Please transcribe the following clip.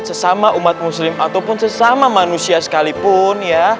sesama umat muslim ataupun sesama manusia sekalipun ya